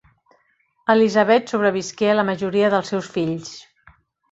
Elisabet sobrevisqué a la majoria dels seus fills.